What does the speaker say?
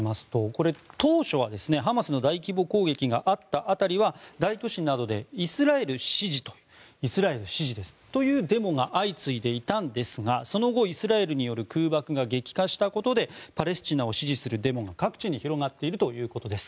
これ、当初はハマスの大規模攻撃があった辺りは大都市などでイスラエル支持というデモが相次いでいたんですがその後、イスラエルによる空爆が激化したことでパレスチナを支持するデモが各地に広がっているということです。